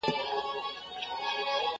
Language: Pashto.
زه پرون د سبا لپاره د نوي لغتونو يادوم،